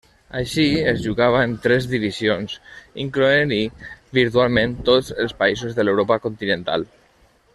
Així, es jugava en tres divisions, incloent-hi virtualment tots els països de l'Europa Continental.